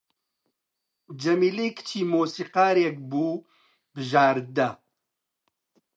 جەمیلەی کچی مۆسیقارێک بوو بژاردە